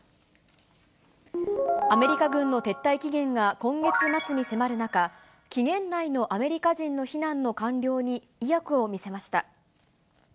アメリカ軍の撤退期限が今月末に迫る中、期限内のアメリカ人の避難の完了に意欲を見せました。